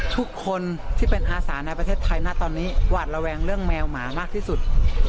ทุกคนที่เป็นอาสาในประเทศไทยนะตอนนี้หวาดระแวงเรื่องแมวหมามากที่สุด